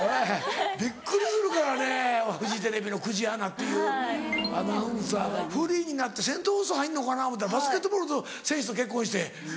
びっくりするからねフジテレビの久慈アナというアナウンサーがフリーになってセント・フォース入んのかな思ったらバスケットボール選手と結婚して。